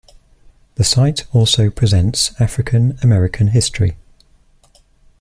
The site also presents African-American history.